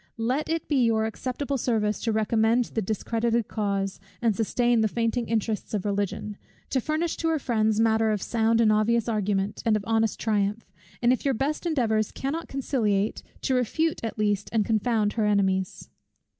Let it be your acceptable service to recommend the discredited cause, and sustain the fainting interests of Religion, to furnish to her friends matter of sound and obvious argument, and of honest triumph; and if your best endeavours cannot conciliate, to refute at least, and confound her enemies.